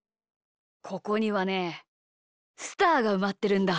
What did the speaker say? ここにはねスターがうまってるんだ。